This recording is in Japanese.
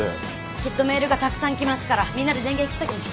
きっとメールがたくさん来ますからみんなで電源切っときましょう。